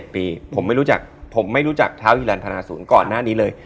๗ปีผมไม่รู้จักท้าวฮิลันพนาศูนย์ก่อนหน้านี้เลย